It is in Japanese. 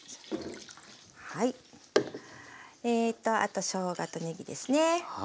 あとしょうがとねぎですね。